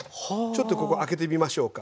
ちょっとここ開けてみましょうか。